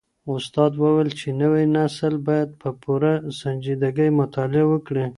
استاد وويل چي نوی نسل بايد په پوره سنجيدګۍ مطالعه وکړي.